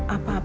apa pak irfan